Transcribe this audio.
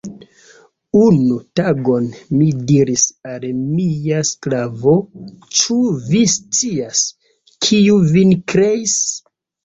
Unu tagon, mi diris al mia sklavo, Ĉu vi scias, kiu vin kreis?